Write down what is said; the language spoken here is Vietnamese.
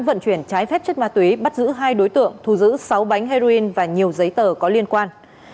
vận chuyển trái phép chất ma túy bắt giữ hai đối tượng thu giữ sáu bánh heroin và nhiều giấy tờ có liên quan